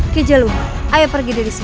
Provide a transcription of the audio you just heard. kijalu ayo pergi dari sini